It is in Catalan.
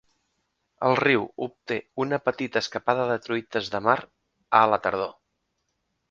El riu obté una petita escapada de truites de mar a la tardor.